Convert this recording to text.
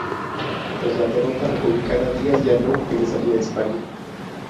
Tras la derrota republicana, Díaz ya no regresaría a España.